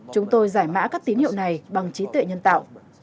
chúng tôi giải mã các tín hiệu này bằng trí tuệ nhân tạo